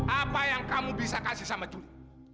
apa yang kamu bisa kasih sama juli